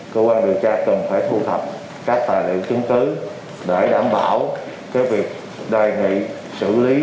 cơ quan điều tra cần phải thu thập các tài liệu chứng cứ để đảm bảo việc đề nghị xử lý